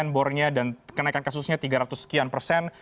bornya dan kenaikan kasusnya tiga ratus sekian persen